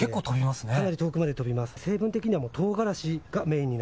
かなり遠くまで飛びます。